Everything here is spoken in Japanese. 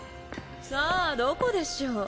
さあどこでしょう？